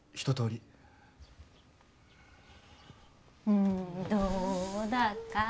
ふんどうだか。